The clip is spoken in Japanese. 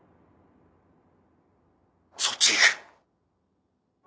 そっちへ行く